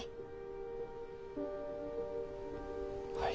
はい。